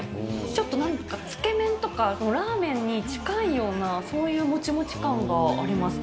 ちょっと、なんかつけ麺とか、ラーメンに近いような、そういうもちもち感があります。